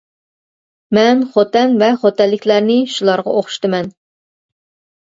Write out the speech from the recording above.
مەن خوتەن ۋە خوتەنلىكلەرنى شۇلارغا ئوخشىتىمەن.